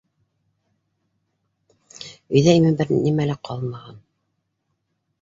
Өйҙә имен бер нимә лә ҡалмаған.